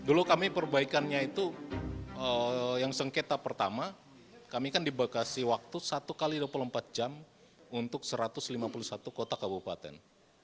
dulu kami perbaikannya itu yang sengketa pertama kami kan dibatasi waktu satu x dua puluh empat jam untuk satu ratus lima puluh satu kota kabupaten